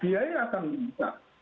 biaya akan meningkat